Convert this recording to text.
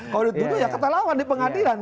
kalau dituduh ya kata lawan di pengadilan